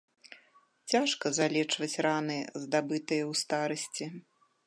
Цяжка залечваць раны, здабытыя ў старасці.